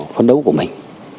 phấn đấu của mình